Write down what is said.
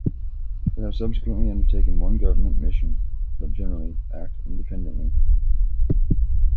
They have subsequently undertaken one government mission, but generally act independently.